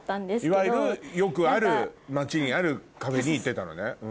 いわゆるよくある街にあるカフェに行ってたのね。